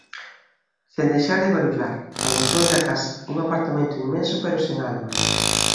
Sen deixar de barullar, amosoulle a casa, un apartamento inmenso pero sen alma.